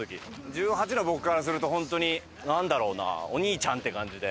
１８の僕からすると本当になんだろうなお兄ちゃんって感じで。